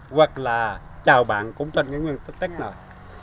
hoặc là chào bạn cũng trên cái nguyên tích này